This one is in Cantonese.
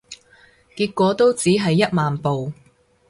結果都只係一萬步